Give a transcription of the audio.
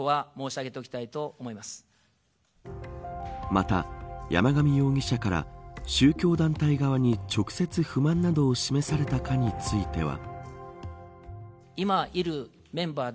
また山上容疑者から宗教団体側に直接不満などを示されたかについては。